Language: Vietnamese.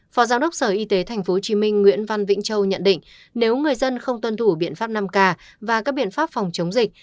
phó giám đốc sở y tế tp hcm nguyễn văn vĩnh châu nhận định nếu người dân không tuân thủ biện pháp năm k và các biện pháp phòng chống dịch